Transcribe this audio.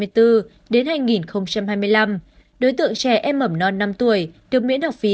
từ năm học hai nghìn hai mươi bốn đến hai nghìn hai mươi năm đối tượng trẻ em mầm non năm tuổi được miễn học phí